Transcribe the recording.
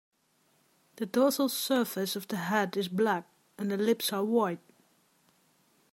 The dorsal surface of the head is black, and the lips are white.